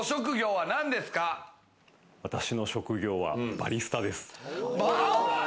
私の職業はバリスタです。